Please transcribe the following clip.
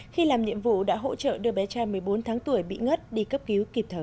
khi làm nhiệm vụ đã hỗ trợ đưa bé trai một mươi bốn tháng tuổi bị ngất đi cấp cứu kịp thời